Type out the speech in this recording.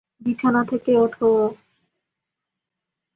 বিছানা থেকে ওঠো!